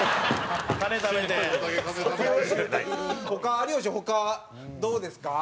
有吉、他、どうですか？